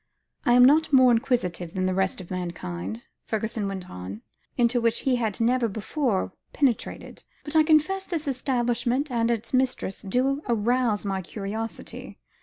"I am not more inquisitive than the rest of mankind," Fergusson went on, his eyes glancing round the room into which he had never before penetrated, "but I confess this establishment and its mistress do arouse my curiosity.